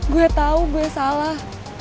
gue tau gue salah